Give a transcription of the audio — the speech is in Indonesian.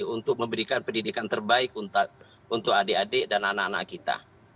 untuk memberikan pendidikan terbaik untuk adik adik dan anak anak kita